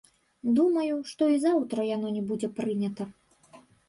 Думаю, што і заўтра яно не будзе прынята.